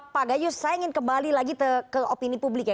pak gayus saya ingin kembali lagi ke opini publik ya